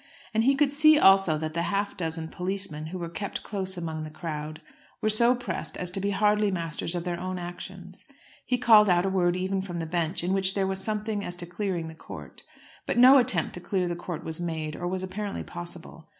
And he could see also that the half dozen policemen who were kept close among the crowd, were so pressed as to be hardly masters of their own actions. He called out a word even from the bench in which there was something as to clearing the court; but no attempt to clear the court was made or was apparently possible.